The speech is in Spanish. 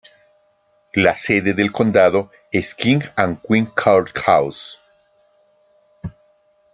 La sede del condado es King and Queen Court House.